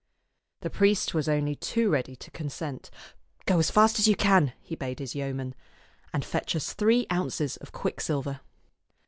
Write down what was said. The priest was only too ready to consent. " Go as fast as ever you can," he bade his yeoman, " and fetch us three ounces of quicksilver."